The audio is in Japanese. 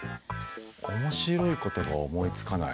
面白いことが思いつかない。